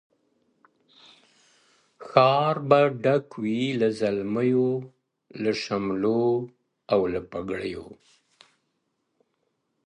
ښار به ډک وي له زلمیو له شملو او له بګړیو-